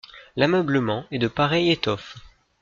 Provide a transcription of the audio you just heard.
L'ammeublement est de pareil estoffe.